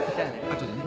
後でね。